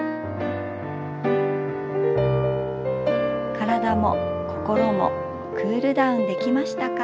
体も心もクールダウンできましたか？